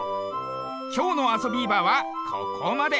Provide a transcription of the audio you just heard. きょうの「あそビーバー」はここまで。